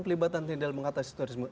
pelibatan tni dalam mengatasi terorisme